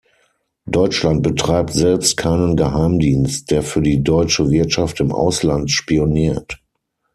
Deutschland betreibt selbst keinen Geheimdienst, der für die deutsche Wirtschaft im Ausland spioniert.